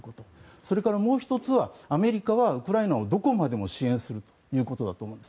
それからもう１つはアメリカはウクライナをどこまでも支援するということだと思います。